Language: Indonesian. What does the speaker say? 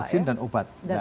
vaksin dan obat